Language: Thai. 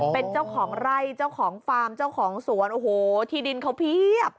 เป็นเจ้าของไร่เจ้าของฟาร์มเจ้าของสวนโอ้โหที่ดินเขาเพียบ